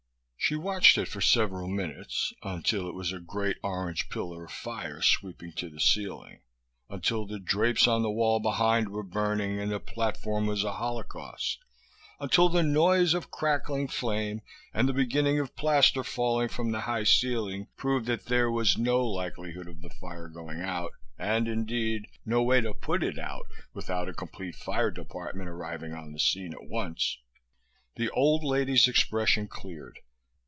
She watched it for several minutes, until it was a great orange pillar of fire sweeping to the ceiling, until the drapes on the wall behind were burning and the platform was a holocaust, until the noise of crackling flame and the beginning of plaster falling from the high ceiling proved that there was no likelihood of the fire going out and, indeed, no way to put it out without a complete fire department arriving on the scene at once. The old lady's expression cleared.